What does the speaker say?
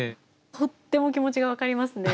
とっても気持ちが分かりますね。